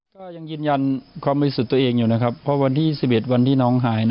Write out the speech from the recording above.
ก็ยังยืนยันความบริสุทธิ์ตัวเองอยู่นะครับเพราะวันที่๑๑วันที่น้องหาย